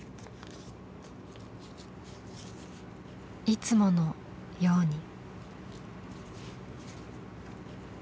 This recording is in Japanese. いつものように。